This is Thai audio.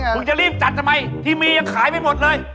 จะรีบจัดทำไมที่มียังขายไม่หมดเลย